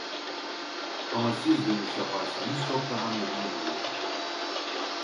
Ama siz dönüş yaparsanız çok daha memnun olurum